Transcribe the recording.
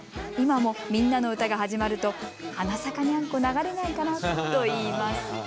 今も『みんなのうた』が始まると『花さかにゃんこ流れないかな』と言います」。